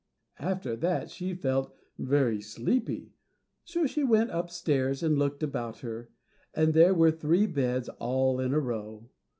After that she felt very sleepy, so she went upstairs and looked about her, and there were three beds all in a row.